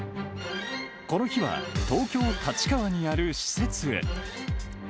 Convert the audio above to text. この日は、東京・立川にある施設へ。